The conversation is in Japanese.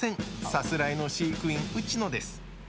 さすらいの飼育員、ウチノです。